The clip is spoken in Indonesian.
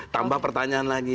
tambah pertanyaan lagi